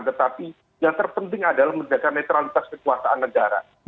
tetapi yang terpenting adalah menjaga netralitas kekuasaan negara